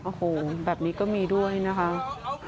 โอ้โหแบบนี้ก็มีด้วยนะคะ